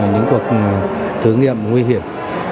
những cuộc thử nghiệm nguy hiểm